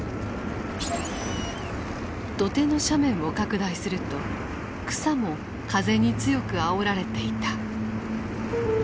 土手の斜面を拡大すると草も風に強くあおられていた。